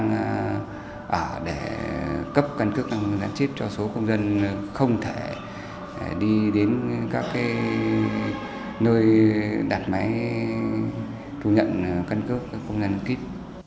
công an xã cũng đã cấp căn cước gắn chip cho số công dân không thể đi đến các nơi đặt máy chú nhận căn cước công dân gắn chip